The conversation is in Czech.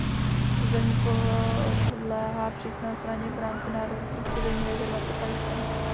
Území podléhá přísné ochraně v rámci národní přírodní rezervace Karlštejn.